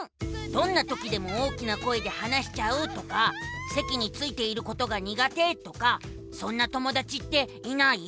「どんなときでも大きな声で話しちゃう」とか「せきについていることが苦手」とかそんな友だちっていない？